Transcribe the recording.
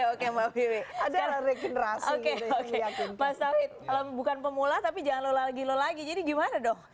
oke mbak wiewi ada regenerasi oke oke pasti bukan pemula tapi jangan lulagi lulagi jadi gimana dong